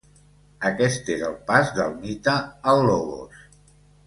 Aquest és el pas del mite al logos.